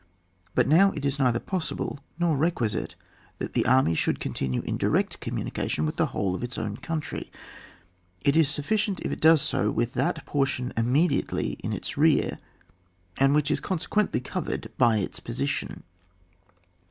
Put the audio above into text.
But now it is neither always possible nor requi site that the army should continue in direct commimication with the whole of its own country; it is sufficient if it does so with that portion immedi ately in its rear, and which is con sequentiy covered by its position.